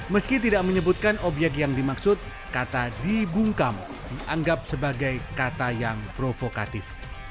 meski tidak menyebutkan obyek yang dimaksud kata dibungkam dianggap sebagai kata yang provokatif